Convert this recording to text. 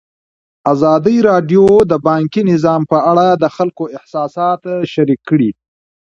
ازادي راډیو د بانکي نظام په اړه د خلکو احساسات شریک کړي.